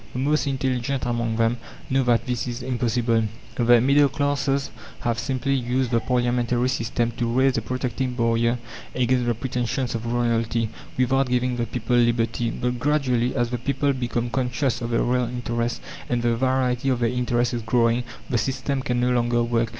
The most intelligent among them know that this is impossible. The middle classes have simply used the parliamentary system to raise a protecting barrier against the pretensions of royalty, without giving the people liberty. But gradually, as the people become conscious of their real interests, and the variety of their interests is growing, the system can no longer work.